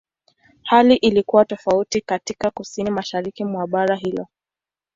Hali ilikuwa tofauti katika Kusini-Mashariki mwa bara hilo.